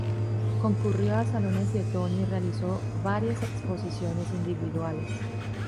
Concurrió a Salones de Otoño y realizó varias exposiciones individuales.